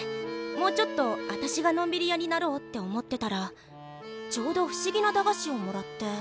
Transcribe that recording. もうちょっと私がのんびり屋になろうって思ってたらちょうど不思議な駄菓子をもらって。